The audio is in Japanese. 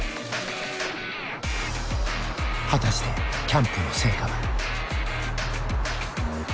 果たしてキャンプの成果は？